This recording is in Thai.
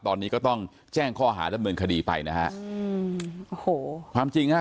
ตอนนี้ก็ต้องแจ้งข้อหารับเมืองคดีไปนะฮะ